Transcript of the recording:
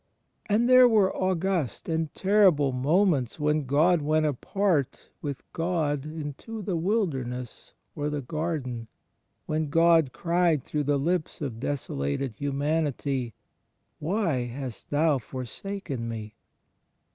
And there were august and terrible moments when God went apart with God into the wilderness or the garden, 8 THE FRIENDSHIP OF CHRIST when God cried through the Kps of desolated hximanity, " Why hast Thou forsaken Me?